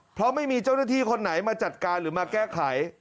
เพราะไม่มีเจ้าหน้าที่คนไหนมาจัดการหรือมาแก้ไข